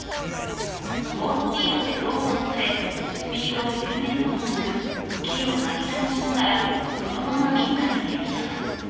猛スピードで道路をそれ、スピードを緩めることなく、木をなぎ倒しながら、そのまま民家に激突。